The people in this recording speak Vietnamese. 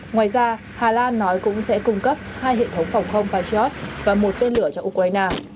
ngoài ra hà lan nói cũng sẽ cung cấp hai hệ thống phòng không patriot và một tên lửa cho ukraine